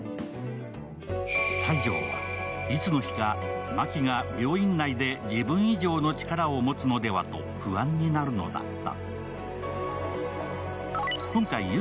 西條は、いつの日か真木が病院内で自分以上の力を持つのではと不安になるのだった。